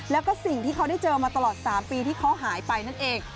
แล้วก็สิ่งที่เขาได้เจอมาตลอด๓ปีที่เขาหายไปนั่นเอง